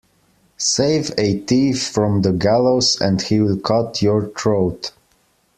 Save a thief from the gallows and he will cut your throat.